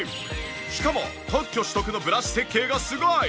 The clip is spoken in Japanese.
しかも特許取得のブラシ設計がすごい！